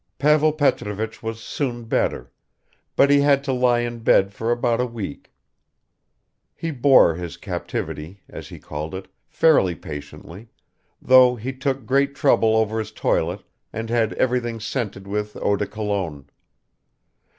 Pavel Petrovich was soon better; but he had to lie in bed for about a week. He bore his captivity, as he called it, fairly patiently, though he took great trouble over his toilet and had everything scented with eau de Cologne.